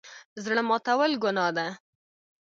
زړه ماتول ګناه ده